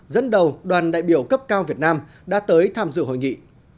dẫn đầu đoàn đại biểu cấp cao việt nam đã tới tham dự hội nghị